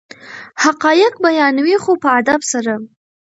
حقایق بیانوي خو په ادب سره.